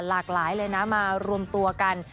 หลากหลายเลยนะมารวมตัวกัน